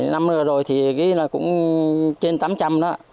năm nửa rồi thì ghi là cũng trên tám trăm linh đó